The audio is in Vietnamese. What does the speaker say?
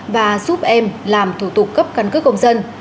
và giúp em làm thủ tục cấp căn cước công dân